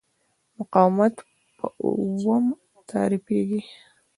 مقاومت په اوهم تعریفېږي.